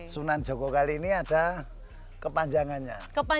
sunan jogokali ini ada kepanjangannya